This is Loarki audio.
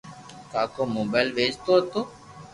ڪاڪو موبائل ويچتو ھتو